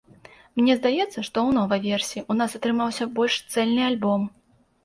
Мне здаецца, што ў новай версіі ў нас атрымаўся больш цэльны альбом.